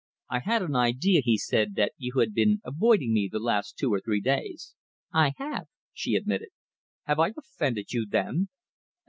"I had an idea," he said, "that you had been avoiding me the last two or three days." "I have," she admitted. "Have I offended you, then?"